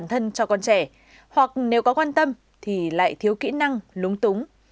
hoặc nếu có quan tâm thì lại thiếu kỹ năng lúng túng